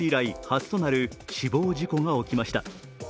初となる死亡事故が起きました。